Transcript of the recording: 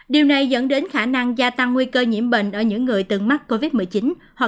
điều này dẫn đến khả năng gia tăng nguy cơ nhiễm bệnh